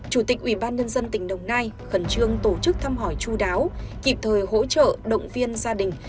một chủ tịch ubnd tỉnh đồng nai khẩn trương tổ chức thăm hỏi chú đáo kịp thời hỗ trợ động viên gia đình